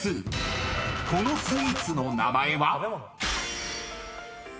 ［このスイーツの名前は？］